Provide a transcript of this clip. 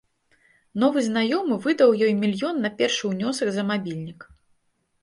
Новы знаёмы выдаў ёй мільён на першы ўнёсак за мабільнік.